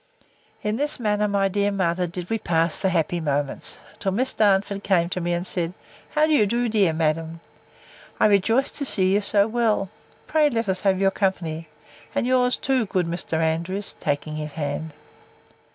In this manner, my dear mother, did we pass the happy moments, till Miss Darnford came to me, and said, How do you do, dear madam? I rejoice to see you so well! Pray let us have your company. And yours too, good Mr. Andrews, taking his hand.